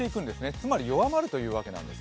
つまり弱まるというわけなんです。